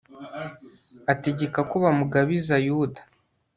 ategeka ko bamugabiza yuda